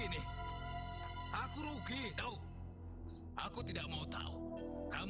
nggak ada gunanya